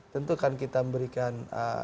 tentu akan kita memberikan